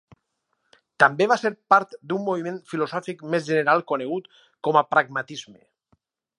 També va ser part d'un moviment filosòfic més general conegut com a pragmatisme.